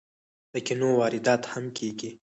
د کینو واردات هم کیږي.